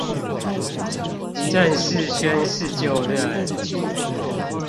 正式宣誓就任